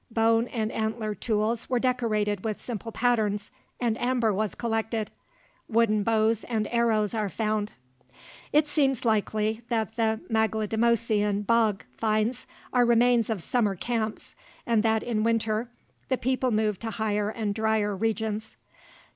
Bone and antler tools were decorated with simple patterns, and amber was collected. Wooden bows and arrows are found. It seems likely that the Maglemosian bog finds are remains of summer camps, and that in winter the people moved to higher and drier regions.